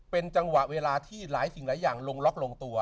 เป็นจังหวะเวลาที่หลายสิ่งหลายอย่างลงล็อกลงตัว